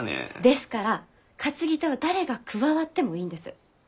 ですから担ぎ手は誰が加わってもいいんです。